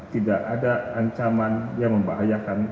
tidak ada ancaman yang membahayakan